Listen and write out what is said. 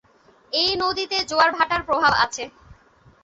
এ নদীতে জোয়ার-ভাটার প্রভাব আছে।